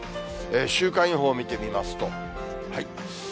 週間予報見てみますと。